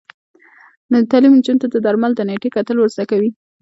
تعلیم نجونو ته د درملو د نیټې کتل ور زده کوي.